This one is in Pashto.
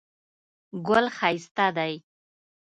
ګل ښایسته دی.